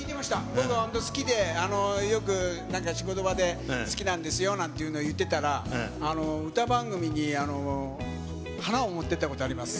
僕は本当好きで、よくなんか仕事場で好きなんですよなんていうのを言ってたら、歌番組に花を持ってったことあります。